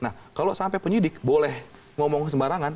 nah kalau sampai penyidik boleh ngomong sembarangan